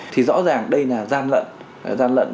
thì rõ ràng đây là gian lận